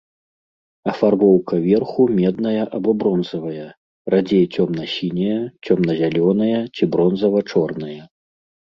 Афарбоўка верху медная або бронзавая, радзей цёмна-сіняя, цёмна-зялёная ці бронзава-чорная.